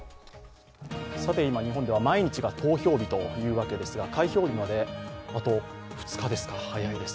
今、日本では毎日が投票日というわけですが開票日まであと２日ですか、早いです。